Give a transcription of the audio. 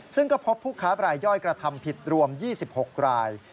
ซึ่งก็พบผู้ค้าบรายย่อยกระทำผิดรวม๒๖ราย